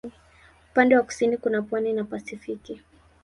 Upande wa kusini kuna pwani na Pasifiki.